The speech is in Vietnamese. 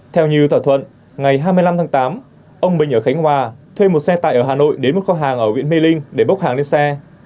theo như thỏa thuận ngày hai mươi năm tháng tám ông bình ở khánh hòa thuê một xe tải ở hà nội đến một kho hàng ở huyện mê linh để bốc hàng lên xe